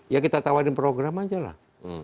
ya kita tawarin program aja lah